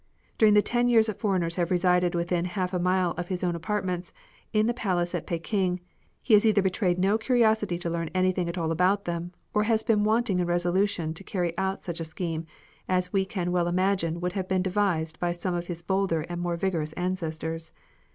During the ten years that foreigners have resided within half a mile of his own apartments in the palace at Peking, he has either betrayed no curiosity to learn anything at all about them, or has been wanting in resolution to carry out such a scheme as we can well imagine would have been devised by some of his bolder and more vigorous ancestors.